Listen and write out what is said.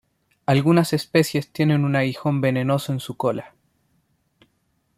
Algunas especies tienen un aguijón venenoso en su cola.